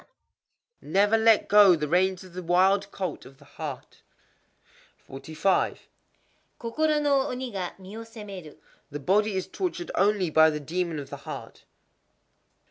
_ Never let go the reins of the wild colt of the heart. 45.—Kokoro no oni ga mi wo séméru. The body is tortured only by the demon of the heart.